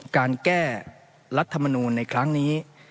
การแก้รัฐมนูลในครั้งนี้